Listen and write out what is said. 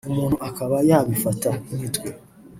umuntu akaba yabifata nk’imitwe